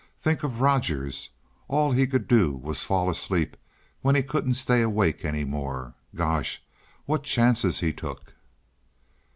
"Think of Rogers all he could do was fall asleep when he couldn't stay awake any more. Gosh, what chances he took!"